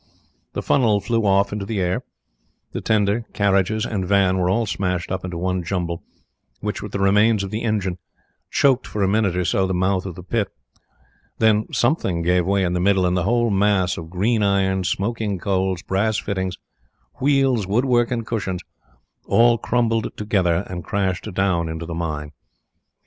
The funnel flew off into the air. The tender, carriages, and van were all smashed up into one jumble, which, with the remains of the engine, choked for a minute or so the mouth of the pit. Then something gave way in the middle, and the whole mass of green iron, smoking coals, brass fittings, wheels, wood work, and cushions all crumbled together and crashed down into the mine.